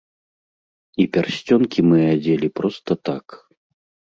І пярсцёнкі мы адзелі проста так.